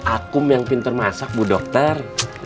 akum yang pinter masak bu dokter